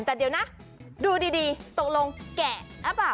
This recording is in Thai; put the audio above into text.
แต่เดี๋ยวนะดูดีตกลงแกะหรือเปล่า